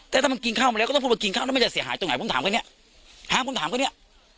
แต่ถ้ามันกินข้าวมาแล้วก็ต้องพูดว่ากินข้าวแล้วมันจะเสียหายตรงไหนผมถามแค่เนี้ยถามผมถามแค่เนี้ย